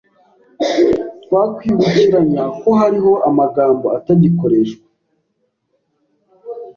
Twakwibukiranya ko hariho amagambo atagikoreshwa